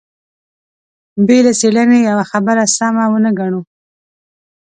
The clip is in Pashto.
بې له څېړنې يوه خبره سمه ونه ګڼو.